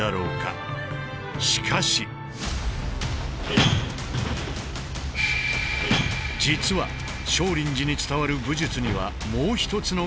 実は少林寺に伝わる武術にはもう一つの顔がある。